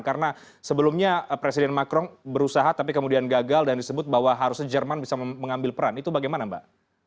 karena sebelumnya presiden macron berusaha tapi kemudian gagal dan disebut bahwa harusnya jerman bisa mengambil peran itu bagaimana mbak